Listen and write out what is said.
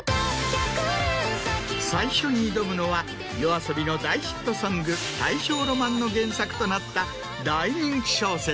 最初に挑むのはＹＯＡＳＯＢＩの大ヒットソング『大正浪漫』の原作となった大人気小説。